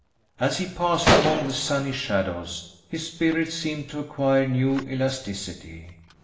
As he passed among the sunny shadows, his spirit seemed to acquire new elasticity.